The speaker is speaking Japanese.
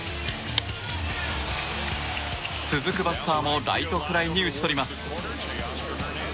続くバッターもライトフライに打ち取ります。